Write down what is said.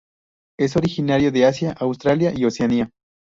Es originario de Asia, Australia y Oceanía.